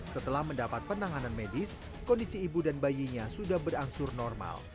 setelah mendapat penanganan medis kondisi ibu dan bayinya sudah berangsur normal